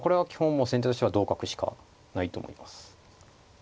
もう先手としては同角しかないと思います。